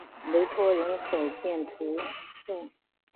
雷托人口变化图示